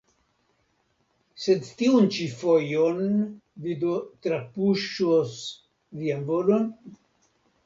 Sed tiun ĉi fojon vi do trapuŝos vian volon?